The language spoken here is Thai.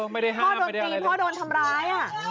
พ่อโดนตีพ่อโดนทำร้าย